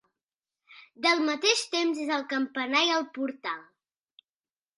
Del mateix temps és el campanar i el portal.